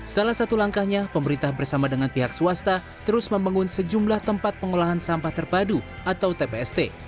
salah satu langkahnya pemerintah bersama dengan pihak swasta terus membangun sejumlah tempat pengolahan sampah terpadu atau tpst